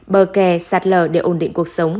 bờ kè sát lờ để ổn định cuộc sống